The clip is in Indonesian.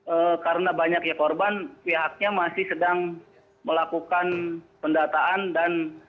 ee karena banyak ya korban pihaknya masih sedang melakukan pendataan dan